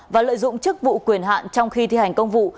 và lợi dụng chức vụ quyền hạn trong khi thi hành công vụ